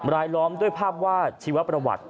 ล้อมด้วยภาพวาดชีวประวัติ